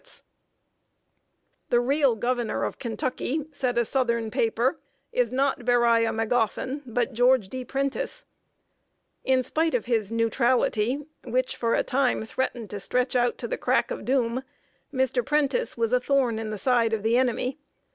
[Sidenote: PRENTICE OF THE LOUISVILLE JOURNAL.] "The real governor of Kentucky," said a southern paper, "is not Beriah Magoffin, but George D. Prentice." In spite of his "neutrality," which for a time threatened to stretch out to the crack of doom, Mr. Prentice was a thorn in the side of the enemy.